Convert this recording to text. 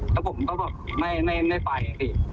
แล้วผมก็ไม่ไปนะครับพี่